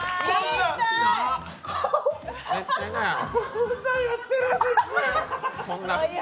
こんなんやってるんですね。